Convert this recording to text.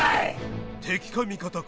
敵か味方か